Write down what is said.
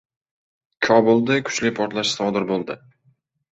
Kobulda kuchli portlash sodir bo‘ldi